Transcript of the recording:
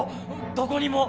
どこにも。